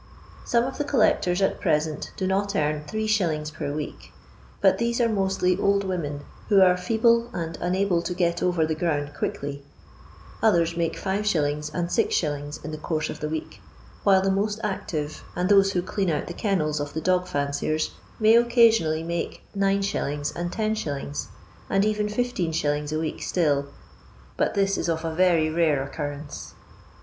Some of the collectors at present do not earn 3«. per week, but these are mostly old women who are feeble and unable to get over the ground quickly ; others make bs. and 6«. in the course of the week, while the most active and those who clean out the kennels of the dog fanciers may occasionally make 9j. and 10«. and even Ifij. a week still, but this is of very rare occurrence.